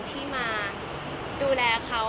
ที่มาดูแลเขา